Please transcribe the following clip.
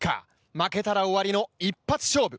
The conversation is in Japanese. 負けたら終わりの一発勝負。